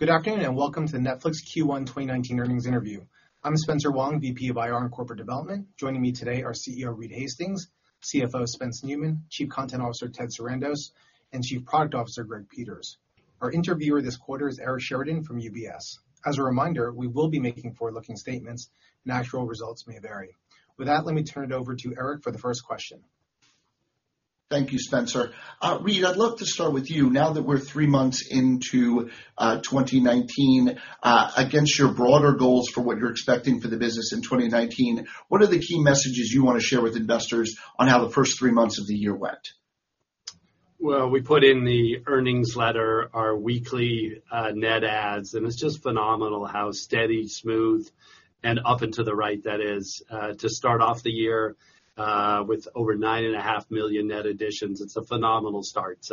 Good afternoon, welcome to the Netflix Q1 2019 earnings interview. I'm Spencer Wang, VP of IR and Corporate Development. Joining me today are CEO Reed Hastings, CFO Spencer Neumann, Chief Content Officer Ted Sarandos, and Chief Product Officer Greg Peters. Our interviewer this quarter is Eric Sheridan from UBS. As a reminder, we will be making forward-looking statements, and actual results may vary. With that, let me turn it over to Eric for the first question. Thank you, Spencer. Reed, I'd love to start with you. Now that we're three months into 2019, against your broader goals for what you're expecting for the business in 2019, what are the key messages you want to share with investors on how the first three months of the year went? Well, we put in the earnings letter our weekly net adds, and it's just phenomenal how steady, smooth, and up and to the right that is. To start off the year with over nine and a half million net additions, it's a phenomenal start.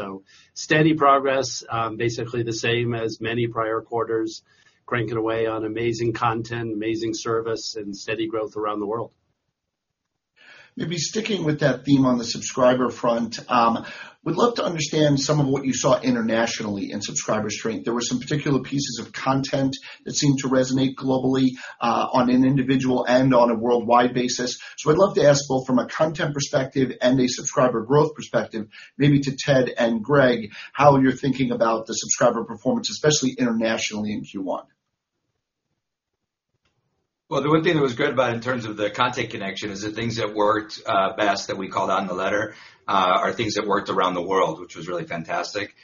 Steady progress basically the same as many prior quarters, cranking away on amazing content, amazing service, and steady growth around the world. Maybe sticking with that theme on the subscriber front, we'd love to understand some of what you saw internationally in subscriber strength. There were some particular pieces of content that seemed to resonate globally on an individual and on a worldwide basis. I'd love to ask both from a content perspective and a subscriber growth perspective, maybe to Ted and Greg, how you're thinking about the subscriber performance, especially internationally in Q1. Well, the one thing that was good about it in terms of the content connection is the things that worked best that we called out in the letter are things that worked around the world, which was really fantastic.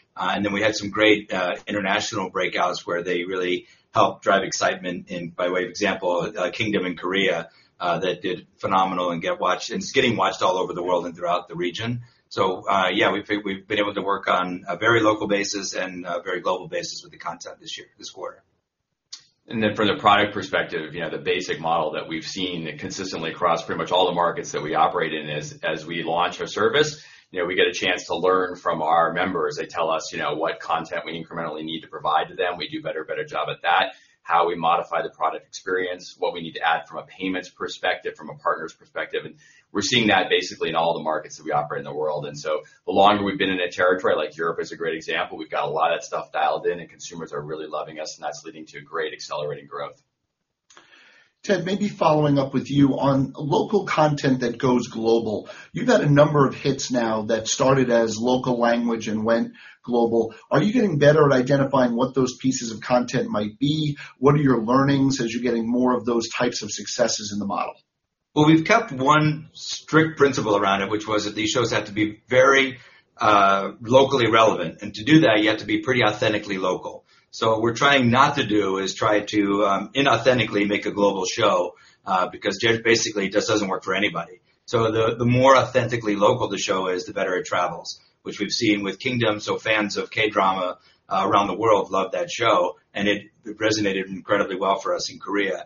We had some great international breakouts where they really helped drive excitement in, by way of example, Kingdom in Korea, that did phenomenal and it's getting watched all over the world and throughout the region. Yeah, we've been able to work on a very local basis and a very global basis with the content this quarter. From the product perspective, the basic model that we've seen consistently across pretty much all the markets that we operate in is as we launch our service, we get a chance to learn from our members. They tell us what content we incrementally need to provide to them. We do a better job at that, how we modify the product experience, what we need to add from a payments perspective, from a partners perspective. We're seeing that basically in all the markets that we operate in the world. The longer we've been in a territory, like Europe is a great example, we've got a lot of that stuff dialed in, and consumers are really loving us, and that's leading to great accelerating growth. Ted, maybe following up with you on local content that goes global. You've had a number of hits now that started as local language and went global. Are you getting better at identifying what those pieces of content might be? What are your learnings as you're getting more of those types of successes in the model? Well, we've kept one strict principle around it, which was that these shows have to be very locally relevant. To do that, you have to be pretty authentically local. What we're trying not to do is try to inauthentically make a global show, because basically, it just doesn't work for anybody. The more authentically local the show is, the better it travels, which we've seen with Kingdom. Fans of K-drama around the world love that show, and it resonated incredibly well for us in Korea.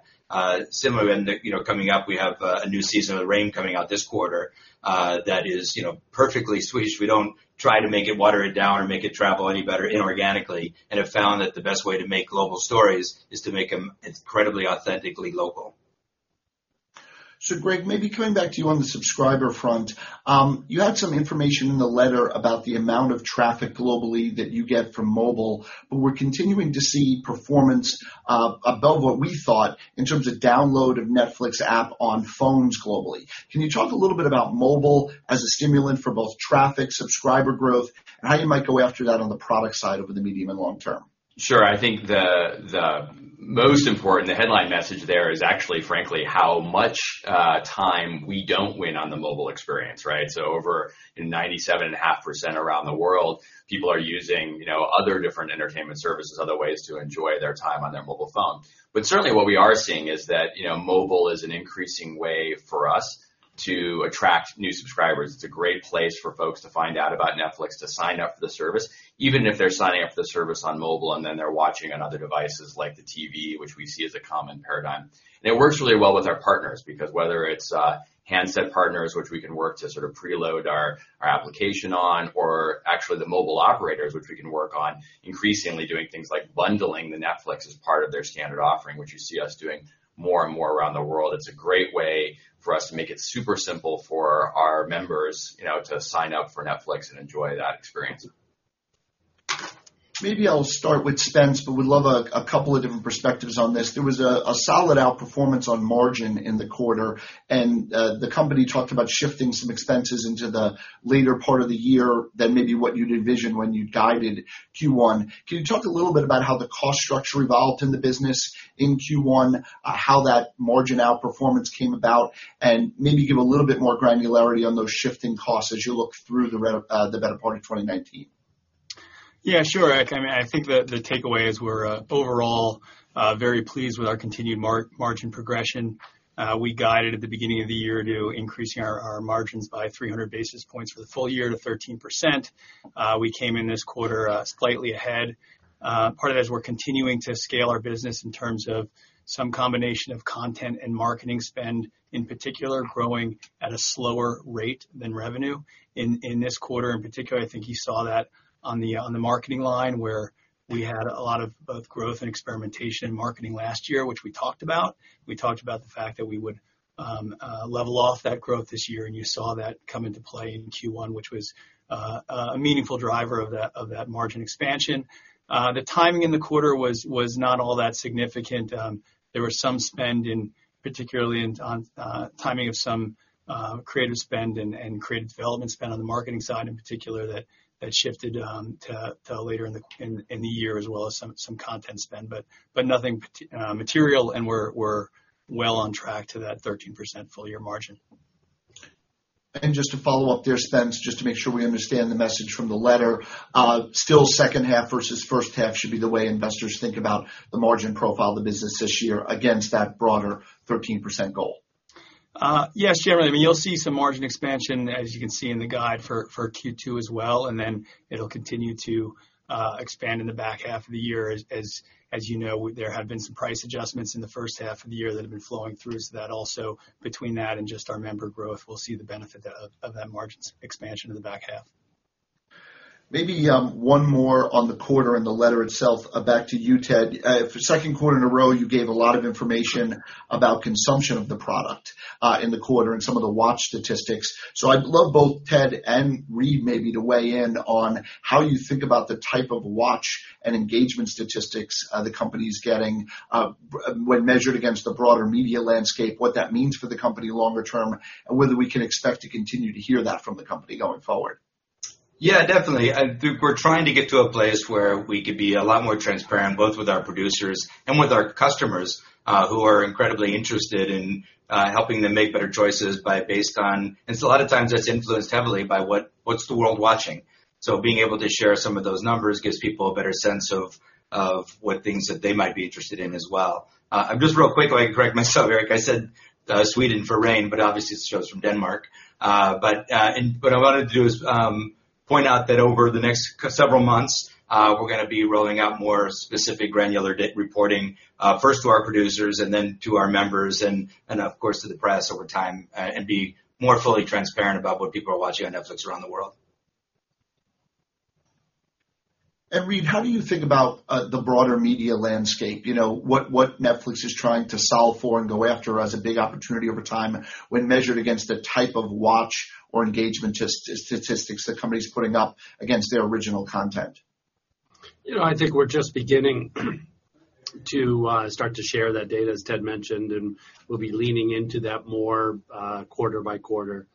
Similar then to coming up, we have a new season of The Rain coming out this quarter, that is perfectly Swedish. We don't try to make it water it down or make it travel any better inorganically, and have found that the best way to make global stories is to make them incredibly authentically local. Greg, maybe coming back to you on the subscriber front. You had some information in the letter about the amount of traffic globally that you get from mobile, we're continuing to see performance above what we thought in terms of download of Netflix app on phones globally. Can you talk a little bit about mobile as a stimulant for both traffic, subscriber growth, and how you might go after that on the product side over the medium and long term? Sure. I think the most important, the headline message there is actually, frankly, how much time we don't win on the mobile experience, right? Over 97.5% around the world, people are using other different entertainment services, other ways to enjoy their time on their mobile phone. Certainly what we are seeing is that mobile is an increasing way for us to attract new subscribers. It's a great place for folks to find out about Netflix to sign up for the service, even if they're signing up for the service on mobile they're watching on other devices like the TV, which we see as a common paradigm. It works really well with our partners because whether it's handset partners, which we can work to sort of preload our application on, or actually the mobile operators, which we can work on, increasingly doing things like bundling Netflix as part of their standard offering, which you see us doing more and more around the world. It's a great way for us to make it super simple for our members to sign up for Netflix and enjoy that experience. Maybe I'll start with Spence, would love a couple of different perspectives on this. There was a solid outperformance on margin in the quarter, the company talked about shifting some expenses into the later part of the year than maybe what you'd envisioned when you guided Q1. Can you talk a little bit about how the cost structure evolved in the business in Q1, how that margin outperformance came about, and maybe give a little bit more granularity on those shifting costs as you look through the better part of 2019? Sure, Eric. I think the takeaway is we're overall very pleased with our continued margin progression. We guided at the beginning of the year to increasing our margins by 300 basis points for the full year to 13%. We came in this quarter slightly ahead. Part of that is we're continuing to scale our business in terms of some combination of content and marketing spend, in particular, growing at a slower rate than revenue. In this quarter, in particular, I think you saw that on the marketing line, where we had a lot of both growth and experimentation in marketing last year, which we talked about. We talked about the fact that we would level off that growth this year, and you saw that come into play in Q1, which was a meaningful driver of that margin expansion. The timing in the quarter was not all that significant. There was some spend, particularly on timing of some creative spend and creative development spend on the marketing side in particular that shifted to later in the year as well as some content spend. Nothing material, and we're well on track to that 13% full-year margin. Just to follow up there, Spence, just to make sure we understand the message from the letter. Still second half versus first half should be the way investors think about the margin profile of the business this year against that broader 13% goal. Yes, generally. You'll see some margin expansion, as you can see in the guide for Q2 as well, and then it'll continue to expand in the back half of the year. As you know, there have been some price adjustments in the first half of the year that have been flowing through. That also, between that and just our member growth, we'll see the benefit of that margin expansion in the back half. Maybe one more on the quarter and the letter itself. Back to you, Ted. For the second quarter in a row, you gave a lot of information about consumption of the product in the quarter and some of the watch statistics. I'd love both Ted and Reed maybe to weigh in on how you think about the type of watch and engagement statistics the company's getting when measured against the broader media landscape, what that means for the company longer term, and whether we can expect to continue to hear that from the company going forward. Yeah, definitely. We're trying to get to a place where we could be a lot more transparent, both with our producers and with our customers who are incredibly interested in helping them make better choices. A lot of times that's influenced heavily by what's the world watching. Being able to share some of those numbers gives people a better sense of what things that they might be interested in as well. Just real quickly, I correct myself, Eric, I said Sweden for The Rain, but obviously the show's from Denmark. What I wanted to do is point out that over the next several months, we're going to be rolling out more specific granular data reporting, first to our producers and then to our members and of course to the press over time and be more fully transparent about what people are watching on Netflix around the world. Reed, how do you think about the broader media landscape? What Netflix is trying to solve for and go after as a big opportunity over time when measured against the type of watch or engagement statistics the company's putting up against their original content. I think we're just beginning to start to share that data, as Ted mentioned, and we'll be leaning into that more quarter by quarter.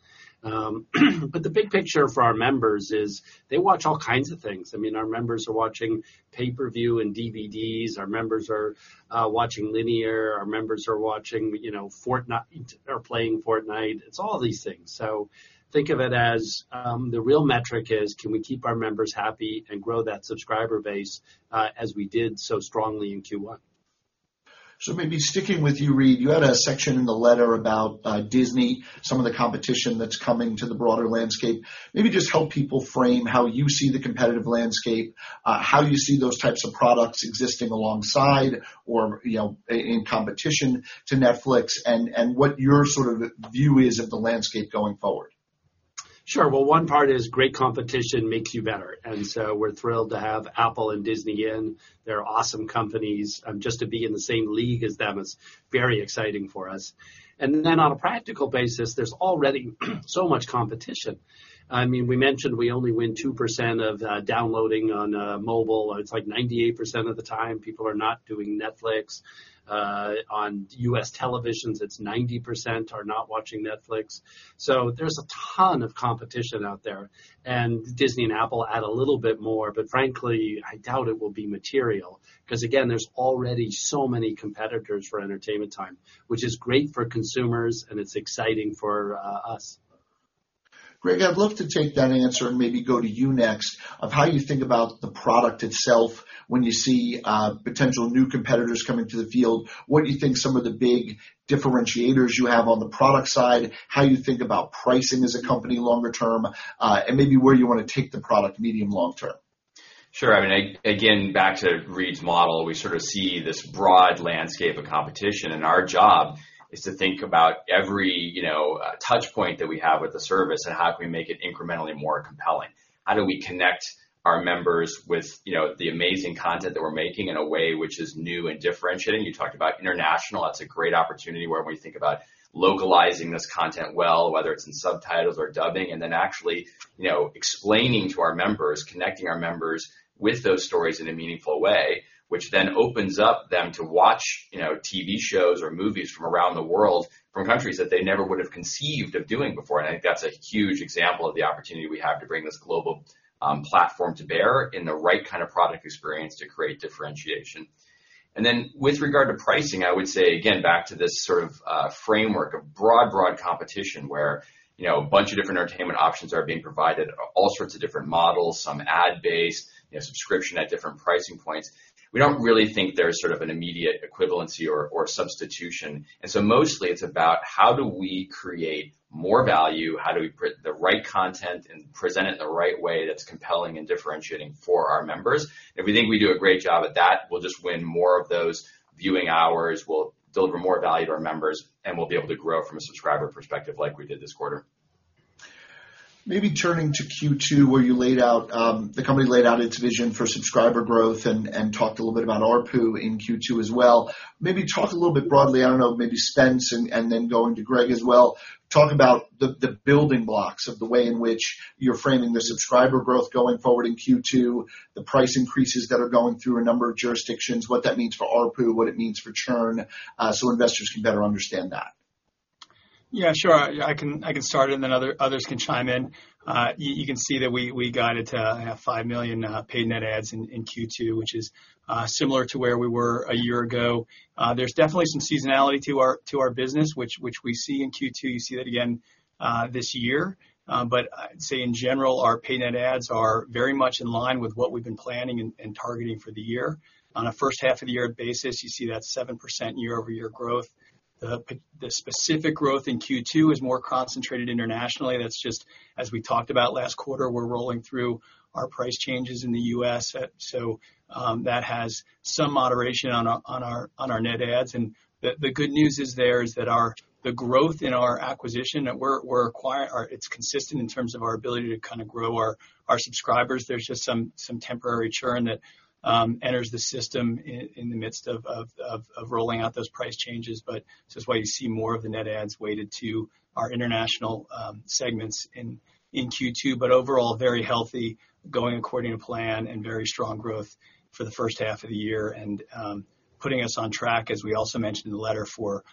The big picture for our members is they watch all kinds of things. Our members are watching pay-per-view and DVDs. Our members are watching linear. Our members are watching Fortnite or playing Fortnite. It's all these things. Think of it as the real metric is can we keep our members happy and grow that subscriber base as we did so strongly in Q1. Maybe sticking with you, Reed, you had a section in the letter about Disney, some of the competition that's coming to the broader landscape. Maybe just help people frame how you see the competitive landscape, how you see those types of products existing alongside or in competition to Netflix, and what your view is of the landscape going forward? Sure. One part is great competition makes you better. We're thrilled to have Apple and Disney in. They're awesome companies. Just to be in the same league as them is very exciting for us. On a practical basis, there's already so much competition. We mentioned we only win 2% of downloading on mobile. It's like 98% of the time people are not doing Netflix. On U.S. televisions, it's 90% are not watching Netflix. There's a ton of competition out there, and Disney and Apple add a little bit more, but frankly, I doubt it will be material because again, there's already so many competitors for entertainment time, which is great for consumers, and it's exciting for us. Greg, I'd love to take that answer and maybe go to you next of how you think about the product itself when you see potential new competitors coming to the field. What do you think some of the big differentiators you have on the product side, how you think about pricing as a company longer term, and maybe where you want to take the product medium and long term? Sure. Again, back to Reed's model, we sort of see this broad landscape of competition, our job is to think about every touchpoint that we have with the service and how can we make it incrementally more compelling. How do we connect our members with the amazing content that we're making in a way which is new and differentiating? You talked about international. That's a great opportunity where when we think about localizing this content well, whether it's in subtitles or dubbing, and then actually explaining to our members, connecting our members with those stories in a meaningful way, which then opens up them to watch TV shows or movies from around the world from countries that they never would have conceived of doing before. I think that's a huge example of the opportunity we have to bring this global platform to bear in the right kind of product experience to create differentiation. Then with regard to pricing, I would say, again, back to this sort of framework of broad competition where a bunch of different entertainment options are being provided, all sorts of different models, some ad-based, subscription at different pricing points. We don't really think there's sort of an immediate equivalency or substitution. Mostly it's about how do we create more value, how do we put the right content and present it in the right way that's compelling and differentiating for our members. If we think we do a great job at that, we'll just win more of those viewing hours. We'll deliver more value to our members, and we'll be able to grow from a subscriber perspective like we did this quarter. Maybe turning to Q2, where the company laid out its vision for subscriber growth and talked a little bit about ARPU in Q2 as well. Maybe talk a little bit broadly, I don't know, maybe Spence and then going to Greg as well, talk about the building blocks of the way in which you're framing the subscriber growth going forward in Q2, the price increases that are going through a number of jurisdictions, what that means for ARPU, what it means for churn, so investors can better understand that. Yeah, sure. I can start. Others can chime in. You can see that we guided to 5 million paid net adds in Q2, which is similar to where we were a year ago. There is definitely some seasonality to our business, which we see in Q2. You see that again this year. I would say in general, our paid net adds are very much in line with what we have been planning and targeting for the year. On a first half of the year basis, you see that 7% year-over-year growth. The specific growth in Q2 is more concentrated internationally. That is just as we talked about last quarter, we are rolling through our price changes in the U.S., so that has some moderation on our net adds. The good news there is that the growth in our acquisition, it is consistent in terms of our ability to kind of grow our subscribers. There is just some temporary churn that enters the system in the midst of rolling out those price changes. This is why you see more of the net adds weighted to our international segments in Q2. Overall, very healthy, going according to plan and very strong growth for the first half of the year. Putting us on track, as we also mentioned in the letter, for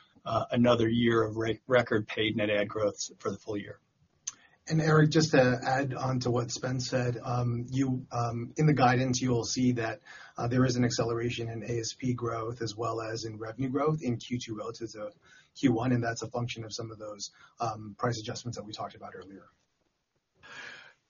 another year of record paid net add growth for the full year. Eric, just to add on to what Spence said, in the guidance, you will see that there is an acceleration in ASP growth as well as in revenue growth in Q2 relative to Q1, and that is a function of some of those price adjustments that we talked about earlier.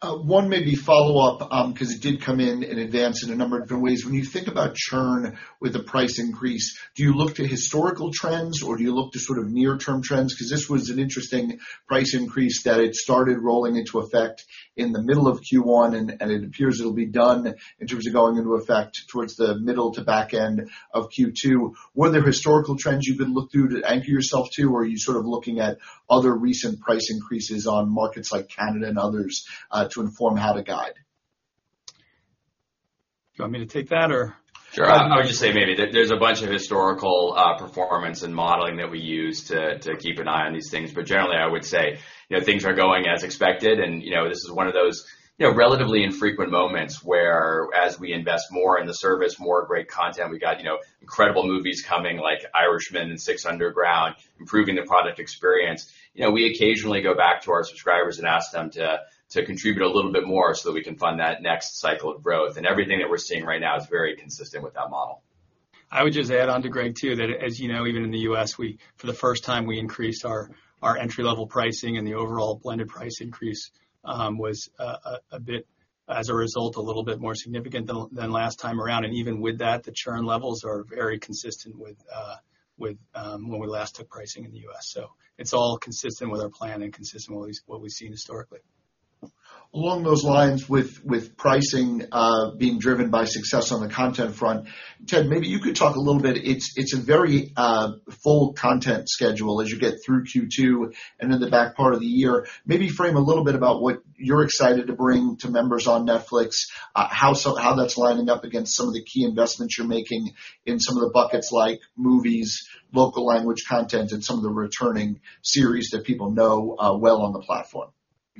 One maybe follow-up, because it did come in advance in a number of different ways. When you think about churn with the price increase, do you look to historical trends or do you look to sort of near-term trends? Because this was an interesting price increase that it started rolling into effect in the middle of Q1 and it appears it will be done in terms of going into effect towards the middle to back end of Q2. Were there historical trends you have been look through to anchor yourself to or are you sort of looking at other recent price increases on markets like Canada and others to inform how to guide? Do you want me to take that or? Sure. I would just say maybe. There's a bunch of historical performance and modeling that we use to keep an eye on these things. Generally, I would say things are going as expected, and this is one of those relatively infrequent moments where as we invest more in the service, more great content, we got incredible movies coming like Irishman and 6 Underground, improving the product experience. We occasionally go back to our subscribers and ask them to contribute a little bit more so that we can fund that next cycle of growth. Everything that we're seeing right now is very consistent with that model. I would just add on to Greg too, that as you know, even in the U.S., for the first time, we increased our entry-level pricing and the overall blended price increase was, as a result, a little bit more significant than last time around. Even with that, the churn levels are very consistent with when we last took pricing in the U.S. It's all consistent with our plan and consistent with what we've seen historically. Along those lines with pricing being driven by success on the content front, Ted, maybe you could talk a little bit. It's a very full content schedule as you get through Q2 and in the back part of the year. Maybe frame a little bit about what you're excited to bring to members on Netflix, how that's lining up against some of the key investments you're making in some of the buckets like movies, local language content and some of the returning series that people know well on the platform.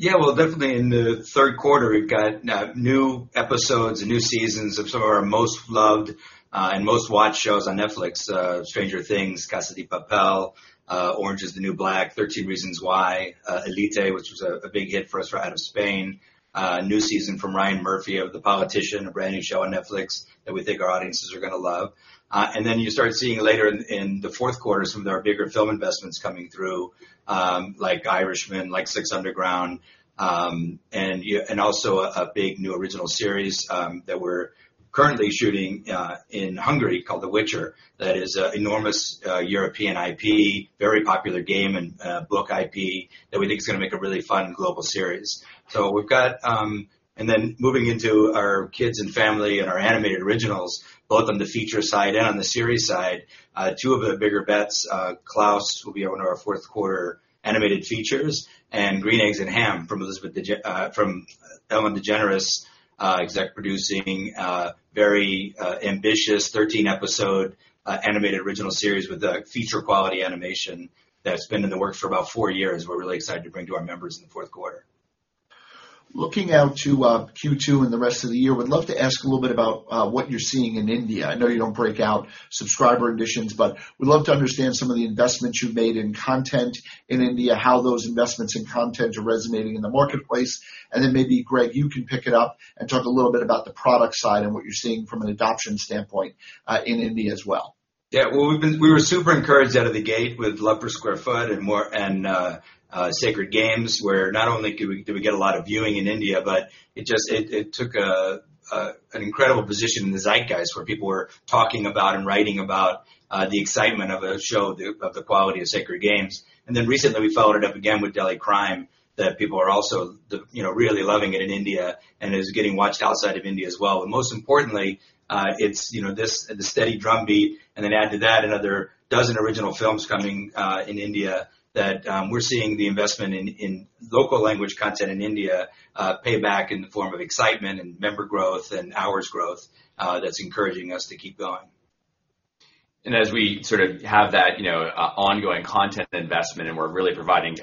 Well, definitely in the third quarter, we've got new episodes and new seasons of some of our most loved and most watched shows on Netflix, "Stranger Things," "Casa de Papel," "Orange Is the New Black," "13 Reasons Why," "Elite," which was a big hit for us right out of Spain. A new season from Ryan Murphy of "The Politician," a brand new show on Netflix that we think our audiences are going to love. You start seeing later in the fourth quarter some of our bigger film investments coming through, like "Irishman," like "6 Underground," and also a big new original series that we're currently shooting in Hungary called "The Witcher" that is an enormous European IP, very popular game and book IP that we think is going to make a really fun global series. Moving into our kids and family and our animated originals, both on the feature side and on the series side, two of the bigger bets, "Klaus" will be out in our fourth quarter animated features, and "Green Eggs and Ham" from Ellen DeGeneres exec producing a very ambitious 13-episode animated original series with a feature-quality animation that's been in the works for about four years, we're really excited to bring to our members in the fourth quarter. Looking out to Q2 and the rest of the year, would love to ask a little bit about what you're seeing in India. I know you don't break out subscriber additions, but would love to understand some of the investments you've made in content in India, how those investments in content are resonating in the marketplace. Maybe, Greg, you can pick it up and talk a little bit about the product side and what you're seeing from an adoption standpoint in India as well. Well, we were super encouraged out of the gate with Love Per Square Foot and Sacred Games, where not only did we get a lot of viewing in India, but it took an incredible position in the zeitgeist, where people were talking about and writing about the excitement of a show of the quality of Sacred Games. Recently, we followed it up again with Delhi Crime, that people are also really loving it in India, and it is getting watched outside of India as well. Most importantly, the steady drumbeat, then add to that another dozen original films coming in India that we're seeing the investment in local language content in India pay back in the form of excitement and member growth and hours growth, that's encouraging us to keep going. As we have that ongoing content investment and we're really providing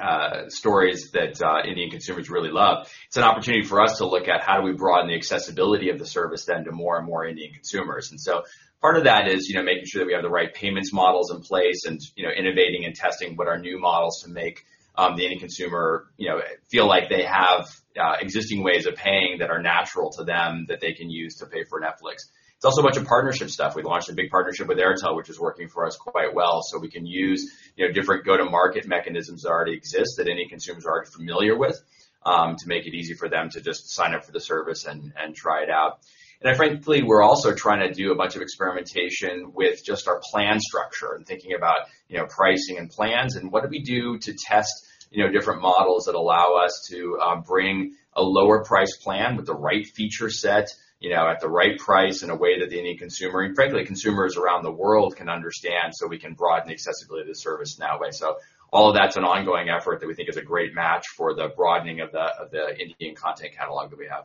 stories that Indian consumers really love, it's an opportunity for us to look at how do we broaden the accessibility of the service then to more and more Indian consumers. Part of that is making sure that we have the right payments models in place and innovating and testing what are new models to make the Indian consumer feel like they have existing ways of paying that are natural to them that they can use to pay for Netflix. It's also a bunch of partnership stuff. We launched a big partnership with Airtel, which is working for us quite well, so we can use different go-to-market mechanisms that already exist that Indian consumers are already familiar with, to make it easy for them to just sign up for the service and try it out. Frankly, we're also trying to do a bunch of experimentation with just our plan structure and thinking about pricing and plans and what do we do to test different models that allow us to bring a lower price plan with the right feature set, at the right price in a way that the Indian consumer, and frankly, consumers around the world can understand, so we can broaden the accessibility of the service in that way. All of that's an ongoing effort that we think is a great match for the broadening of the Indian content catalog that we have.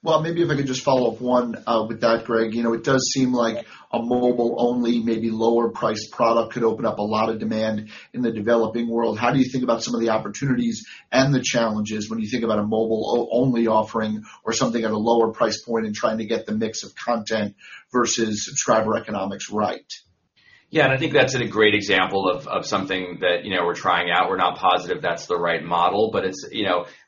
Well, maybe if I could just follow up one with that, Greg. It does seem like a mobile-only, maybe lower priced product could open up a lot of demand in the developing world. How do you think about some of the opportunities and the challenges when you think about a mobile-only offering or something at a lower price point and trying to get the mix of content versus subscriber economics right? Yeah, I think that's a great example of something that we're trying out. We're not positive that's the right model, but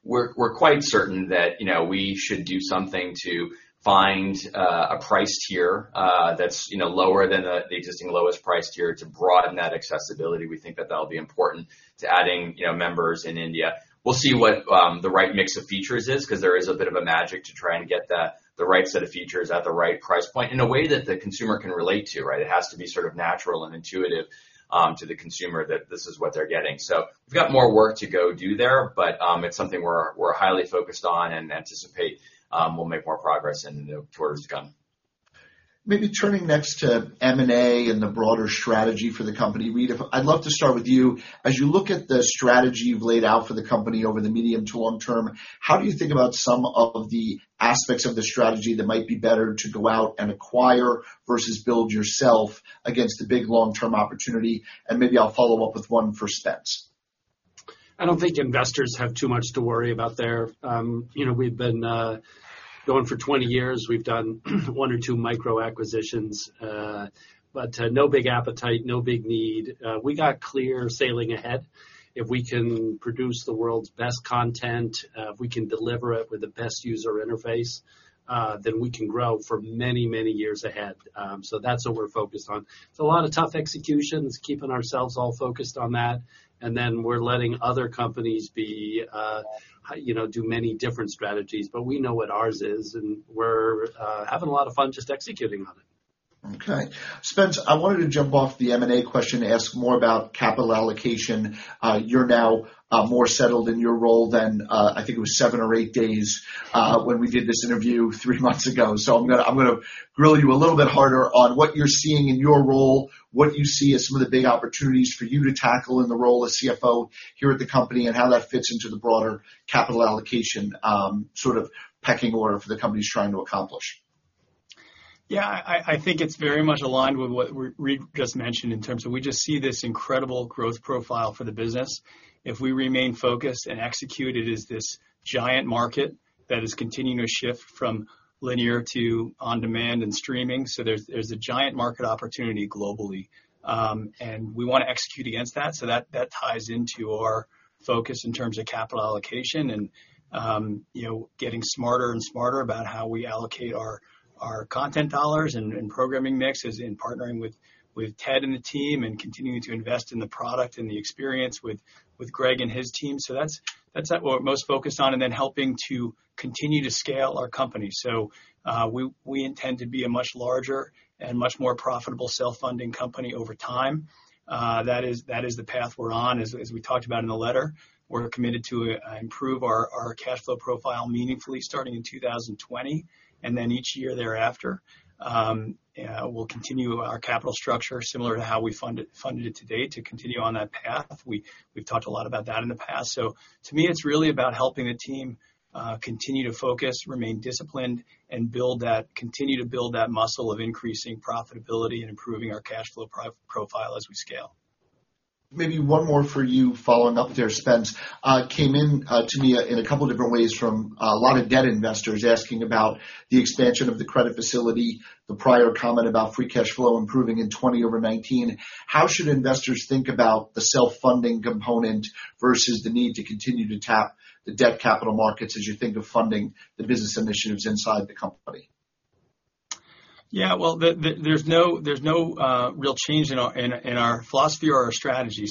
we're quite certain that we should do something to find a price tier that's lower than the existing lowest price tier to broaden that accessibility. We think that that'll be important to adding members in India. We'll see what the right mix of features is because there is a bit of a magic to try and get the right set of features at the right price point in a way that the consumer can relate to, right? It has to be sort of natural and intuitive to the consumer that this is what they're getting. We've got more work to go do there, but it's something we're highly focused on and anticipate we'll make more progress in the quarters to come. Maybe turning next to M&A and the broader strategy for the company. Reed, I'd love to start with you. As you look at the strategy you've laid out for the company over the medium to long term, how do you think about some of the aspects of the strategy that might be better to go out and acquire versus build yourself against the big long-term opportunity? Maybe I'll follow up with one for Spence. I don't think investors have too much to worry about there. We've been going for 20 years. We've done one or two micro acquisitions. No big appetite, no big need. We got clear sailing ahead. If we can produce the world's best content, if we can deliver it with the best user interface, we can grow for many, many years ahead. That's what we're focused on. It's a lot of tough executions, keeping ourselves all focused on that, we're letting other companies do many different strategies. We know what ours is, and we're having a lot of fun just executing on it. Okay. Spence, I wanted to jump off the M&A question to ask more about capital allocation. You're now more settled in your role than, I think it was seven or eight days when we did this interview three months ago. I'm going to grill you a little bit harder on what you're seeing in your role, what you see as some of the big opportunities for you to tackle in the role as CFO here at the company, how that fits into the broader capital allocation sort of pecking order for the company's trying to accomplish. Yeah, I think it's very much aligned with what Reed just mentioned in terms of we just see this incredible growth profile for the business. If we remain focused and execute it as this giant market that is continuing to shift from linear to on-demand and streaming. There's a giant market opportunity globally. We want to execute against that ties into our focus in terms of capital allocation and getting smarter and smarter about how we allocate our content dollars and programming mixes and partnering with Ted and the team and continuing to invest in the product and the experience with Greg and his team. That's what we're most focused on, then helping to continue to scale our company. We intend to be a much larger and much more profitable self-funding company over time. That is the path we're on. As we talked about in the letter, we're committed to improve our cash flow profile meaningfully starting in 2020. Each year thereafter, we'll continue our capital structure similar to how we funded it to date to continue on that path. We've talked a lot about that in the past. To me, it's really about helping the team continue to focus, remain disciplined, and continue to build that muscle of increasing profitability and improving our cash flow profile as we scale. Maybe one more for you following up there, Spence. Came in to me in a couple different ways from a lot of debt investors asking about the expansion of the credit facility, the prior comment about free cash flow improving in 2020 over 2019. How should investors think about the self-funding component versus the need to continue to tap the debt capital markets as you think of funding the business initiatives inside the company? There's no real change in our philosophy or our strategy.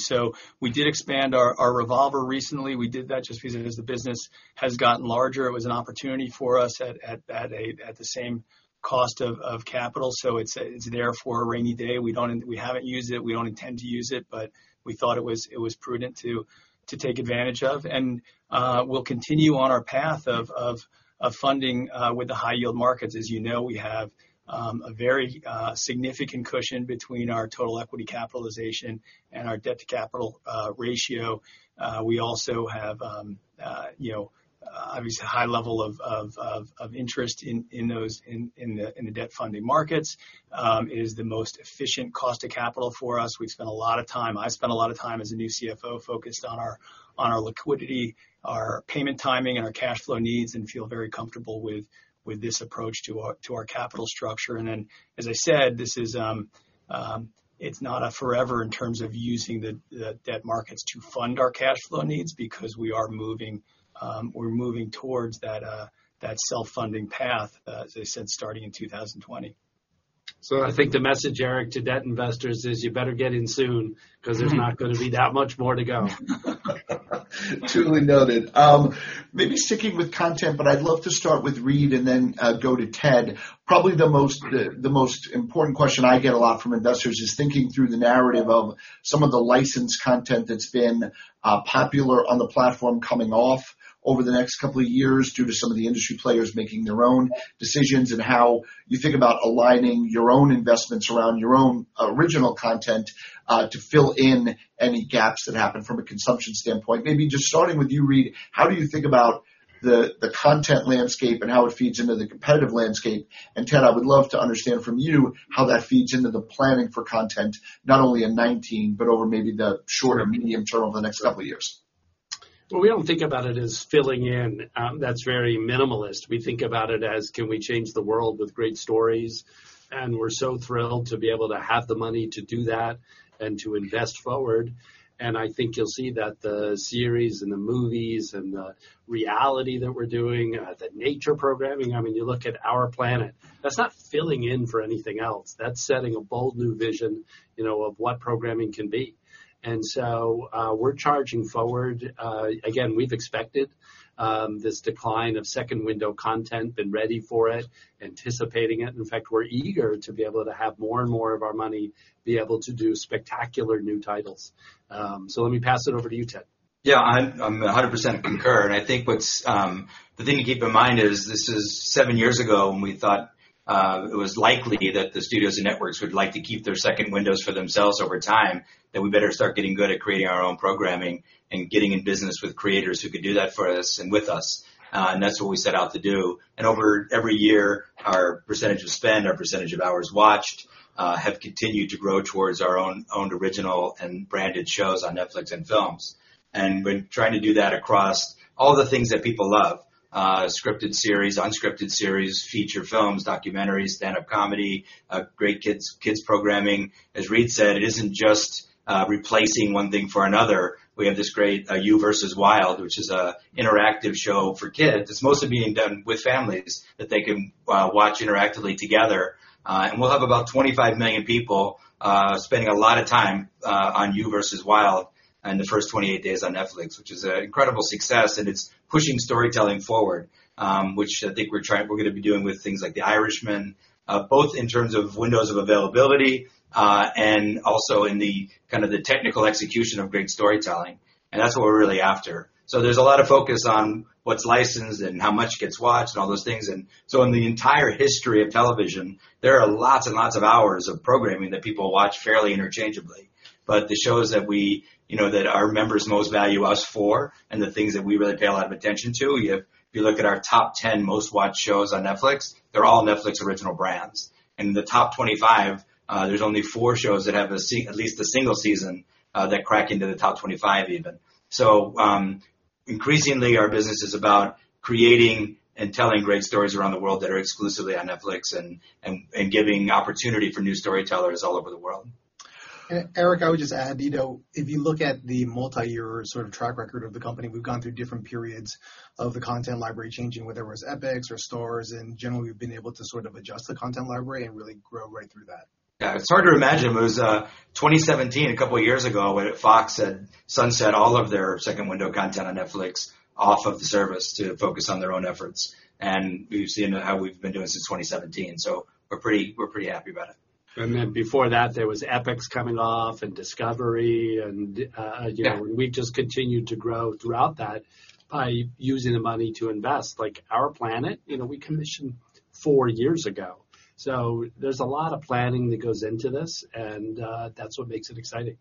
We did expand our revolver recently. We did that just because as the business has gotten larger, it was an opportunity for us at the same cost of capital. It's there for a rainy day. We haven't used it, we don't intend to use it, but we thought it was prudent to take advantage of. We'll continue on our path of funding with the high-yield markets. As you know, we have a very significant cushion between our total equity capitalization and our debt-to-capital ratio. We also have obviously a high level of interest in the debt funding markets. It is the most efficient cost of capital for us. I've spent a lot of time as a new CFO focused on our liquidity, our payment timing, and our cash flow needs, and feel very comfortable with this approach to our capital structure. As I said, it's not a forever in terms of using the debt markets to fund our cash flow needs because we're moving towards that self-funding path, as I said, starting in 2020. I think the message, Eric, to debt investors is you better get in soon because there's not going to be that much more to go. Duly noted. Sticking with content, I'd love to start with Reed and then go to Ted. Probably the most important question I get a lot from investors is thinking through the narrative of some of the licensed content that's been popular on the platform coming off over the next couple of years due to some of the industry players making their own decisions, and how you think about aligning your own investments around your own original content, to fill in any gaps that happen from a consumption standpoint. Starting with you, Reed, how do you think about the content landscape and how it feeds into the competitive landscape? Ted, I would love to understand from you how that feeds into the planning for content, not only in 2019, but over maybe the shorter, medium-term over the next couple of years. Well, we don't think about it as filling in. That's very minimalist. We think about it as, can we change the world with great stories? We're so thrilled to be able to have the money to do that and to invest forward. I think you'll see that the series and the movies and the reality that we're doing, the nature programming. You look at Our Planet, that's not filling in for anything else. That's setting a bold new vision of what programming can be. We're charging forward. Again, we've expected this decline of second-window content, been ready for it, anticipating it. In fact, we're eager to be able to have more and more of our money be able to do spectacular new titles. Let me pass it over to you, Ted. Yeah. I 100% concur, I think the thing to keep in mind is this is seven years ago when we thought it was likely that the studios and networks would like to keep their second windows for themselves over time, that we better start getting good at creating our own programming and getting in business with creators who could do that for us and with us. That's what we set out to do. Over every year, our percentage of spend, our percentage of hours watched, have continued to grow towards our own owned original and branded shows on Netflix and films. We're trying to do that across all the things that people love, scripted series, unscripted series, feature films, documentaries, stand-up comedy, great kids programming. As Reed said, it isn't just replacing one thing for another. We have this great You vs. Wild which is an interactive show for kids. It's mostly being done with families that they can watch interactively together. We'll have about 25 million people spending a lot of time on You vs. Wild in the first 28 days on Netflix, which is an incredible success, and it's pushing storytelling forward, which I think we're going to be doing with things like The Irishman, both in terms of windows of availability, and also in the technical execution of great storytelling. That's what we're really after. There's a lot of focus on what's licensed and how much gets watched and all those things. In the entire history of television, there are lots and lots of hours of programming that people watch fairly interchangeably. The shows that our members most value us for and the things that we really pay a lot of attention to, if you look at our top 10 most watched shows on Netflix, they're all Netflix original brands. In the top 25, there's only four shows that have at least a single season that crack into the top 25 even. Increasingly, our business is about creating and telling great stories around the world that are exclusively on Netflix and giving opportunity for new storytellers all over the world. Eric, I would just add, if you look at the multi-year track record of the company, we've gone through different periods of the content library changing, whether it was Epix or Starz. Generally, we've been able to adjust the content library and really grow right through that. Yeah. It's hard to imagine, it was 2017, a couple of years ago, when Fox had sunset all of their second window content on Netflix off of the service to focus on their own efforts. We've seen how we've been doing since 2017. We're pretty happy about it. Before that, there was Epix coming off and Discovery. Yeah we've just continued to grow throughout that by using the money to invest. Like "Our Planet," we commissioned four years ago. There's a lot of planning that goes into this, and that's what makes it exciting.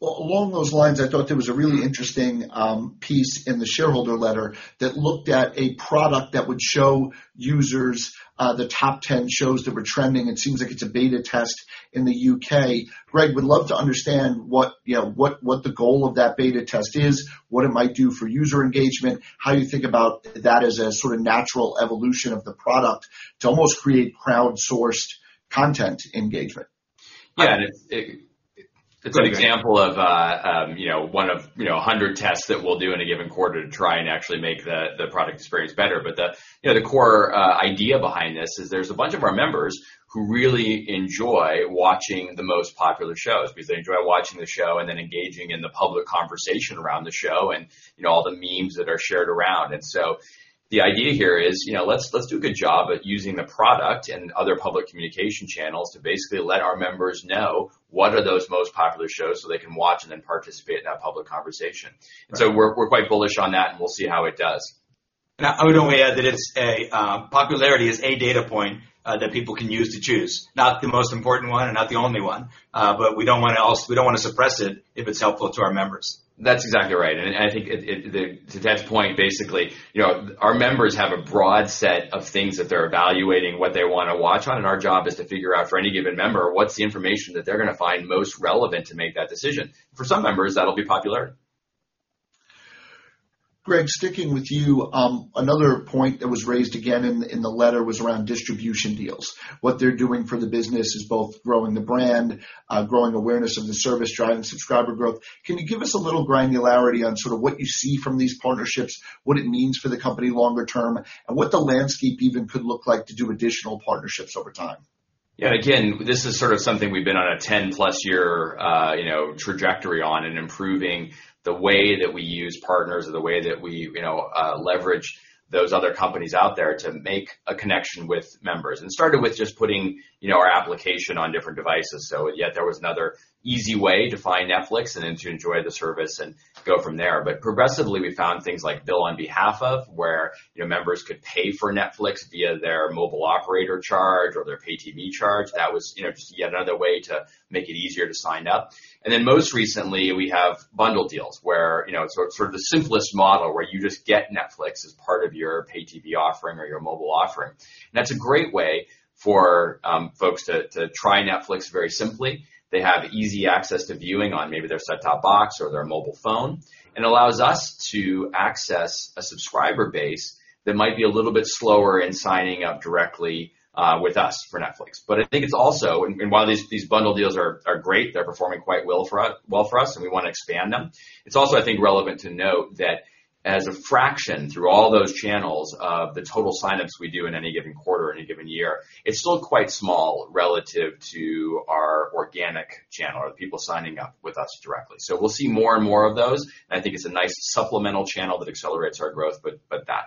Well, along those lines, I thought there was a really interesting piece in the shareholder letter that looked at a product that would show users the top 10 shows that were trending. It seems like it's a beta test in the U.K. Greg, would love to understand what the goal of that beta test is, what it might do for user engagement, how you think about that as a natural evolution of the product to almost create crowdsourced content engagement. Yeah. It's an example of one of 100 tests that we'll do in a given quarter to try and actually make the product experience better. The core idea behind this is there's a bunch of our members who really enjoy watching the most popular shows because they enjoy watching the show and then engaging in the public conversation around the show, and all the memes that are shared around. The idea here is, let's do a good job at using the product and other public communication channels to basically let our members know what are those most popular shows so they can watch and then participate in that public conversation. Right. we're quite bullish on that, and we'll see how it does. I would only add that popularity is a data point that people can use to choose. Not the most important one and not the only one, but we don't want to suppress it if it's helpful to our members. That's exactly right. I think to Ted's point, basically, our members have a broad set of things that they're evaluating, what they want to watch on, and our job is to figure out for any given member what's the information that they're going to find most relevant to make that decision. For some members, that'll be popularity. Greg, sticking with you, another point that was raised again in the letter was around distribution deals. What they're doing for the business is both growing the brand, growing awareness of the service, driving subscriber growth. Can you give us a little granularity on sort of what you see from these partnerships, what it means for the company longer term, and what the landscape even could look like to do additional partnerships over time? Yeah. Again, this is something we've been on a 10-plus year trajectory on in improving the way that we use partners or the way that we leverage those other companies out there to make a connection with members. It started with just putting our application on different devices. Yet there was another easy way to find Netflix and then to enjoy the service and go from there. Progressively, we found things like Bill On Behalf Of, where members could pay for Netflix via their mobile operator charge or their pay TV charge. That was just yet another way to make it easier to sign up. Most recently, we have bundle deals where it's sort of the simplest model, where you just get Netflix as part of your pay TV offering or your mobile offering. That's a great way for folks to try Netflix very simply. They have easy access to viewing on maybe their set-top box or their mobile phone. It allows us to access a subscriber base that might be a little bit slower in signing up directly with us for Netflix. While these bundle deals are great, they're performing quite well for us, and we want to expand them, it's also, I think relevant to note that as a fraction through all those channels of the total sign-ups we do in any given quarter or any given year, it's still quite small relative to our organic channel or the people signing up with us directly. We'll see more and more of those, and I think it's a nice supplemental channel that accelerates our growth, but that.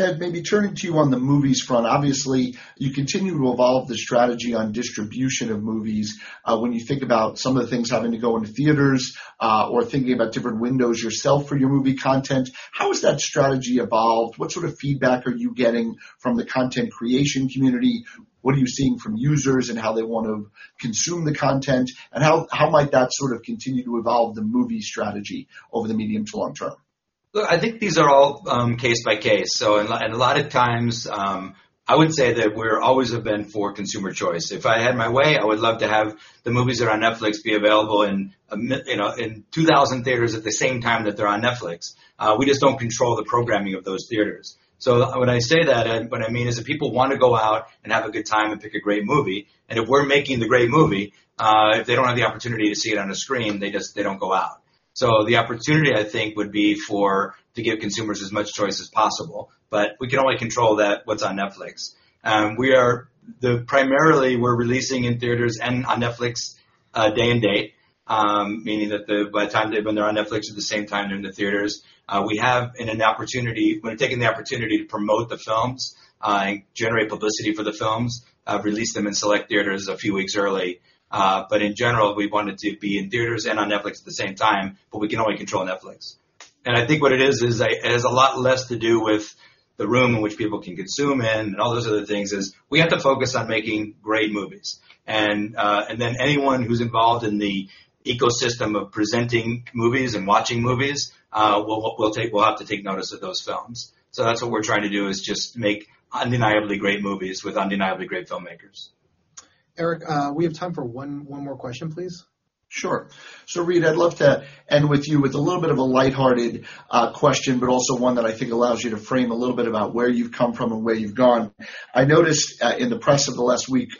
Ted, maybe turning to you on the movies front, obviously, you continue to evolve the strategy on distribution of movies. When you think about some of the things having to go into theaters, or thinking about different windows yourself for your movie content, how has that strategy evolved? What sort of feedback are you getting from the content creation community? What are you seeing from users and how they want to consume the content, and how might that sort of continue to evolve the movie strategy over the medium to long term? Look, I think these are all case by case. A lot of times, I would say that we always have been for consumer choice. If I had my way, I would love to have the movies that are on Netflix be available in 2,000 theaters at the same time that they're on Netflix. We just don't control the programming of those theaters. When I say that, what I mean is if people want to go out and have a good time and pick a great movie, and if we're making the great movie, if they don't have the opportunity to see it on a screen, they don't go out. The opportunity, I think, would be to give consumers as much choice as possible. We can only control what's on Netflix. We're releasing in theaters and on Netflix day and date, meaning that by the time they've been there on Netflix at the same time they're in the theaters. We're taking the opportunity to promote the films, generate publicity for the films, release them in select theaters a few weeks early. In general, we want it to be in theaters and on Netflix at the same time, but we can only control Netflix. I think what it is, it has a lot less to do with the room in which people can consume in and all those other things, is we have to focus on making great movies. Then anyone who's involved in the ecosystem of presenting movies and watching movies will have to take notice of those films. That's what we're trying to do, is just make undeniably great movies with undeniably great filmmakers. Eric, we have time for one more question, please. Sure. Reed, I'd love to end with you with a little bit of a lighthearted question, but also one that I think allows you to frame a little bit about where you've come from and where you've gone. I noticed in the press over the last week,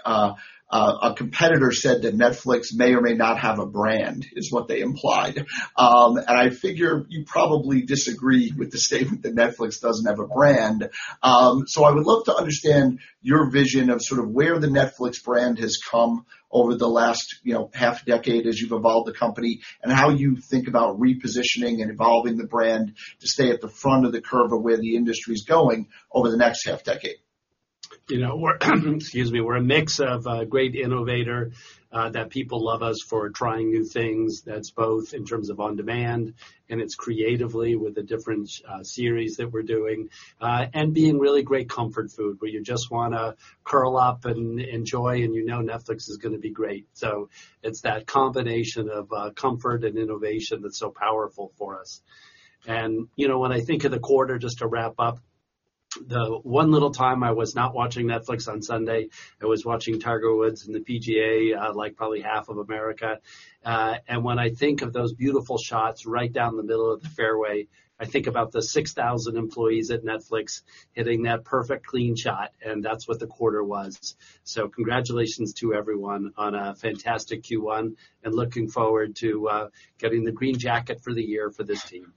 a competitor said that Netflix may or may not have a brand, is what they implied. I figure you probably disagree with the statement that Netflix doesn't have a brand. I would love to understand your vision of sort of where the Netflix brand has come over the last half decade as you've evolved the company, and how you think about repositioning and evolving the brand to stay at the front of the curve of where the industry's going over the next half decade. Excuse me. We're a mix of a great innovator, that people love us for trying new things. That's both in terms of on-demand, and it's creatively with the different series that we're doing. Being really great comfort food, where you just want to curl up and enjoy and you know Netflix is going to be great. It's that combination of comfort and innovation that's so powerful for us. When I think of the quarter, just to wrap up, the one little time I was not watching Netflix on Sunday, I was watching Tiger Woods in the PGA, like probably half of America. When I think of those beautiful shots right down the middle of the fairway, I think about the 6,000 employees at Netflix hitting that perfect clean shot, and that's what the quarter was. Congratulations to everyone on a fantastic Q1, and looking forward to getting the Green Jacket for the year for this team.